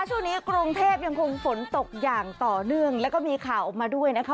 ช่วงนี้กรุงเทพยังคงฝนตกอย่างต่อเนื่องแล้วก็มีข่าวออกมาด้วยนะคะ